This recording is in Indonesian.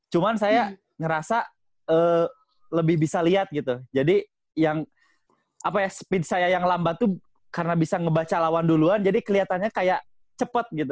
cuman saya ngerasa lebih bisa lihat gitu jadi yang apa ya speed saya yang lambat tuh karena bisa ngebaca lawan duluan jadi kelihatannya kayak cepet gitu